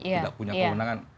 nggak punya kewenangan